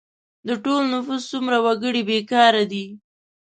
د ټول نفوس څومره وګړي بې کاره دي؟